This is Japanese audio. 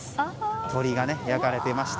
鶏が焼かれていまして